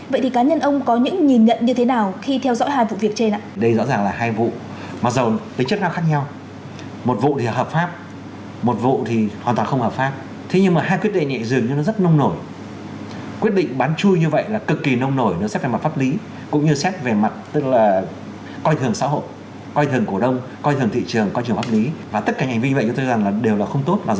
vậy thì cá nhân ông có những nhìn nhận như thế nào khi theo dõi hai vụ việc trên ạ